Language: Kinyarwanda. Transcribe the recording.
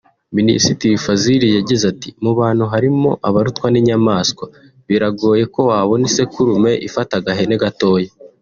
Minisitiri Fazil yagize ati “Mu bantu harimo abarutwa n’inyamaswa; biragoye ko wabona isekurume ifata agahene gatoya